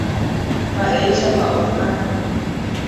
Mba'éichapa Óscar.